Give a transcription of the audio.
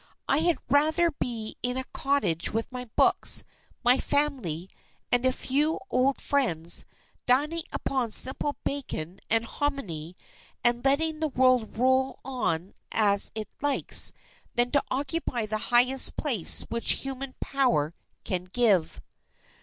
I had rather be in a cottage with my books, my family, and a few old friends, dining upon simple bacon and hominy, and letting the world roll on as it likes, than to occupy the highest place which human power can give."